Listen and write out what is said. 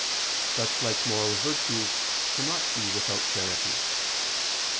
Such like moral virtues cannot be without charity.